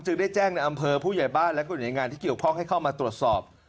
ได้แจ้งในอำเภอผู้ใหญ่บ้านและกลุ่มหน่วยงานที่เกี่ยวข้องให้เข้ามาตรวจสอบ